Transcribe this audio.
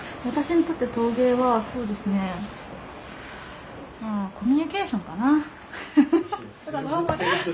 私にとって陶芸はそうですねコミュニケーションかなフフフ。